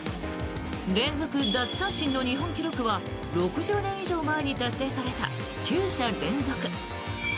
連続奪三振の日本記録は６０年以上前に達成された９者連続。